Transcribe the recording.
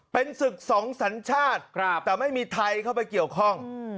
เป็นศึกสองสัญชาติแต่ไม่มีใครเข้าไปเกี่ยวข้อง